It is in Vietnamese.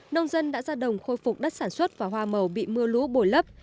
nông dân đã ra đồng khôi phục đất sản xuất và hoa màu bị mưa lũ bồi lấp